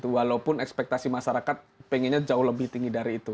walaupun ekspektasi masyarakat pengennya jauh lebih tinggi dari itu